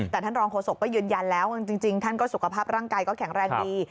แต่ท่านรองโฆษกก็ยืนยันแล้วจริงท่านก็สุขภาพร่างกายก็แข็งแรงดี